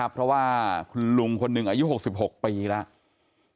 เพราะว่าคุณลุงคนหนึ่งอายุ๖๖ปีแล้ว